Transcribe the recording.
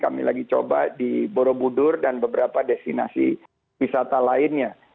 kami lagi coba di borobudur dan beberapa destinasi wisata lainnya